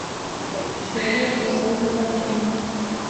Sheria husaidi watu mno.